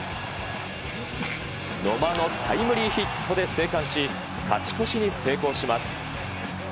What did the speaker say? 野間のタイムリーヒットで生還し、勝ち越しに成功します。